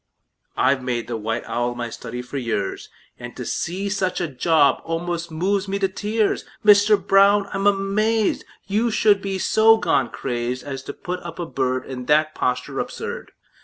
I've made the white owl my study for years, And to see such a job almost moves me to tears! Mister Brown, I'm amazed You should be so gone crazed As to put up a bird In that posture absurd!